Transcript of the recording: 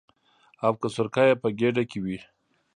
او که سرکه یې په ګېډه کې وي.